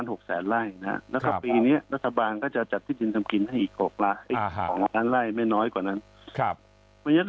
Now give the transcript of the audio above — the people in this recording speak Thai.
แล้วก็ปีนี้รัฐบาลก็จะจัดที่ดินทำกินให้อีก๖๐๐๐ไล่ไม่น้อยกว่านั้น